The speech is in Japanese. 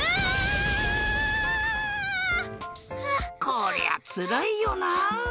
こりゃつらいよな。